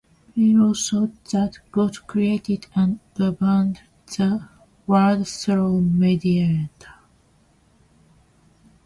Philo thought that God created and governed the world through mediators.